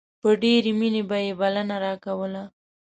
په ډېرې مينې به يې بلنه راکوله.